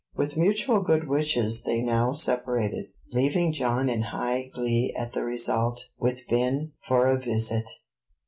With mutual good wishes they now separated, leaving John in high glee at the result, with Ben, for a visit.